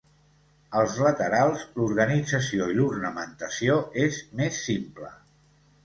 Als laterals l'organització i l'ornamentació és més simple.